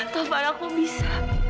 taufan aku bisa